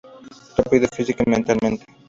Rápido física y mentalmente.